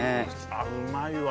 あっうまいわ。